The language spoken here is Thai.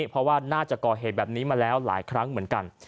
เพราะว่าน่าจะก่อเหตุแบบนี้มาแล้วหลายครั้งเหมือนกัน